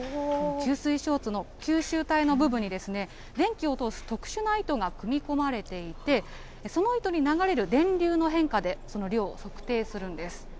吸水ショーツの吸収体の部分に電気を通す特殊な糸が組み込まれていて、その糸に流れる電流の変化で、その量を測定するんです。